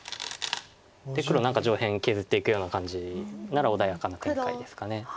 黒何か上辺削っていくような感じなら穏やかな展開ですか。